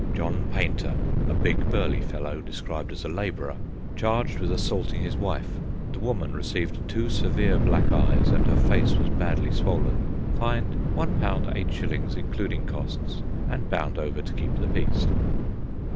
John Painter, a big, burly fellow, described as a labourer, charged with assaulting his wife. The woman received two severe black eyes, and her face was badly swollen. Fined £1, 8s., including costs, and bound over to keep the peace.